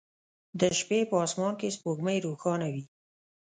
د شپې په اسمان کې سپوږمۍ روښانه وي